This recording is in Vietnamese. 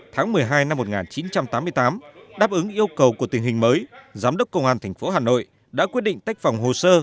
tháng một mươi hai năm một nghìn chín trăm tám mươi tám đáp ứng yêu cầu của tình hình mới giám đốc công an tp hà nội đã quyết định tách phòng hồ sơ